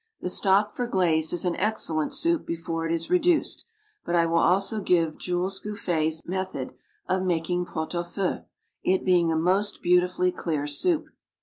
The stock for glaze is an excellent soup before it is reduced; but I will also give Jules Gouffé's method of making pot au feu, it being a most beautifully clear soup.